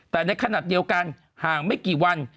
แต่ในขณะเดียวกันห่างไม่กี่วัน